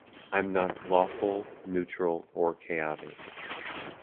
I'm not lawful, neutral, or chaotic.